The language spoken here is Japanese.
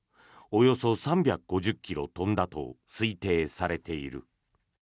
およそ３５０ｋｍ飛んだと推定されている。